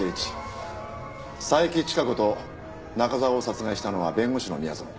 佐伯千加子と中沢を殺害したのは弁護士の宮園。